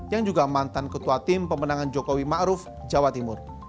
yang juga mantan ketua tim pemenangan jokowi ma'ruf jawa timur